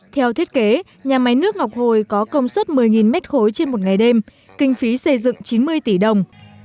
theo thiết kế nhà máy nước ngọc hồi có công suất một mươi m ba trên một ngày đêm kinh phí xây dựng chín mươi tỷ đồng